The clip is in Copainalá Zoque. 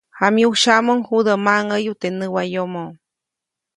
Jamyusyaʼmuŋ judä maʼŋäyu teʼ näwayomo.